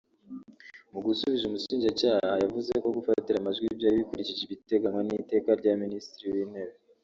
Mu gusubiza umushinjacyaha yavuze ko gufatira amajwi byari bikurikije ibiteganywa n’iteka rya Minisitiri w’Intebe